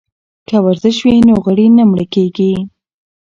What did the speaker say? که ورزش وي نو غړي نه مړه کیږي.